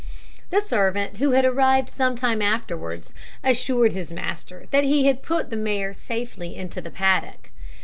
The servant, who arrived some time afterwards, assured his master that he had put the mare safely into the paddock.